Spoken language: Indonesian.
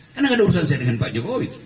karena gak ada urusan saya dengan pak jokowi